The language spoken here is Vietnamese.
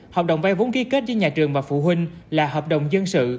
hợp đồng vay vốn ký kết với nhà trường và phụ huynh là hợp đồng dân sự